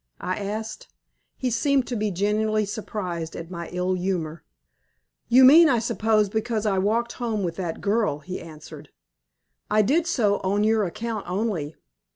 I asked. He seemed to be genuinely surprised at my ill humor. "You mean, I suppose, because I walked home with that girl," he answered. "I did so on your account only.